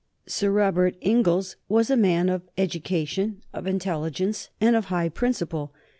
Sir Robert Inglis was a man of education, of intelligence, and of high principle.